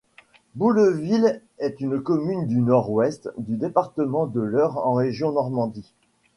Boulleville est une commune du nord-ouest du département de l'Eure en région Normandie.